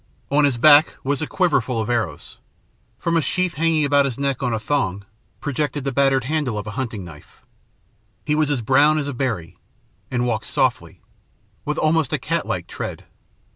On his back was a quiverful of arrows. From a sheath hanging about his neck on a thong, projected the battered handle of a hunting knife. He was as brown as a berry, and walked softly, with almost a catlike tread.